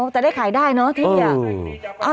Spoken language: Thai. จะได้ขายได้เนอะที่